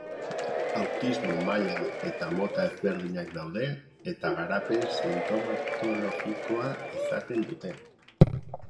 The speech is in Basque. Autismo maila eta mota ezberdinak daude eta garapen sintomatologikoa izaten dute.